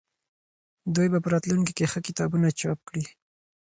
دوی به په راتلونکي کې ښه کتابونه چاپ کړي.